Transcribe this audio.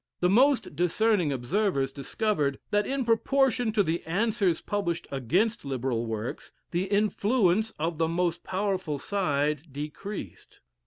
The most discerning observers discovered that in proportion to the answers published against liberal works, the influence of the most powerful side decreased.